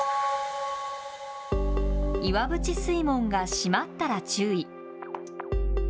岩淵水門が閉まったら注意。